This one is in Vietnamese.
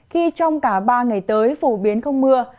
khi trong cả ba ngày tới phổ biến không mưa